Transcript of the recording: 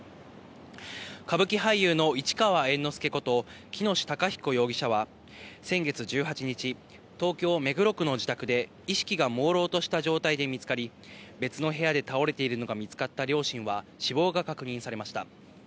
歌舞伎俳優の市川猿之助こと、喜熨斗孝彦容疑者は、先月１８日、東京・目黒区の自宅で意識がもうろうとした状態で見つかり、別の部屋で倒れているのが見つかった両親は死亡が確認されました。